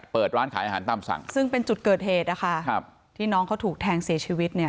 เปิดร้านขายอาหารตามสั่งซึ่งเป็นจุดเกิดเหตุนะคะครับที่น้องเขาถูกแทงเสียชีวิตเนี่ย